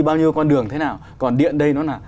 bao nhiêu con đường thế nào còn điện đây nó là